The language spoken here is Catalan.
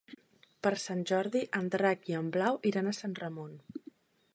Per Sant Jordi en Drac i en Blai iran a Sant Ramon.